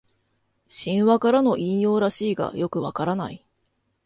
神話からの引用らしいがよくわからない